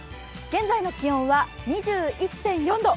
現在の気温は２１．４度。